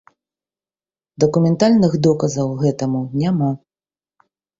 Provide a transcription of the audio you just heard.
Дакументальных доказаў гэтаму няма.